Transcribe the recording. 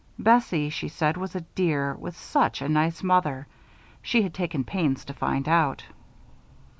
Bessie, she said, was a dear, with such a nice mother. She had taken pains to find out.